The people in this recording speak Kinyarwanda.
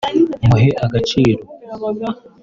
Muhe agaciro